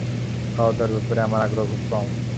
খাওয়াদাওয়ার ব্যাপারে আমার আগ্রহ খুব কম।